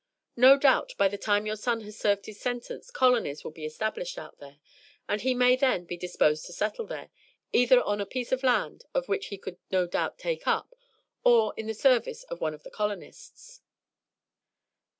No doubt by the time your son has served his sentence colonies will be established out there, and he may then be disposed to settle there, either on a piece of land of which he could no doubt take up or in the service of one of the colonists."